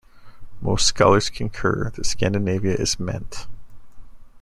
Most scholars concur that Scandinavia is meant.